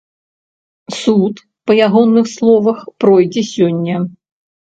Суд, па ягоных словах, пройдзе сёння.